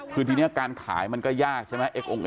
คือทีนี้การขายมันก็ยาก